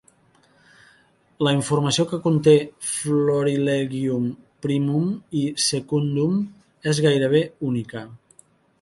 La informació que conté "Florilegium Primum" i "Secundum" és gairebé única.